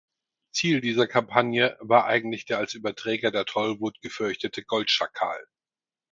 Ziel dieser Kampagne war eigentlich der als Überträger der Tollwut gefürchtete Goldschakal.